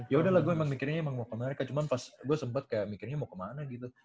ya udahlah gua emang mikirnya emang mau ke amerika cuman pas gua sempet kayak mikirnya mau kemana gitu